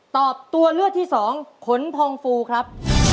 ตอบตัวเลือกที่สองขนพองฟูครับ